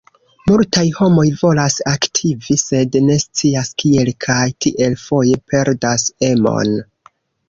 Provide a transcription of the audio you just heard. Multaj homoj volas aktivi, sed ne scias kiel kaj tiel foje perdas emon.